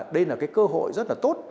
đây là cái cơ hội rất là tốt